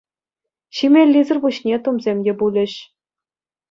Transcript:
Ҫимеллисӗр пуҫне тумсем те пулӗҫ.